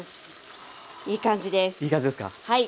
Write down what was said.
はい。